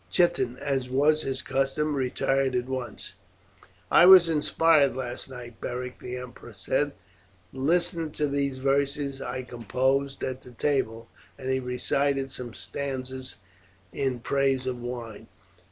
Chiton, as was his custom, retired at once. "I was inspired last night, Beric," the emperor said. "Listen to these verses I composed at the table;" and he recited some stanzas in praise of wine.